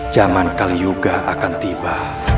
zaman kali yoga akan tiba